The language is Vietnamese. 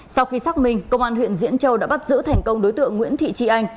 sau khi xác minh công an huyện diễn châu đã bắt giữ thành công đối tượng nguyễn thị tri anh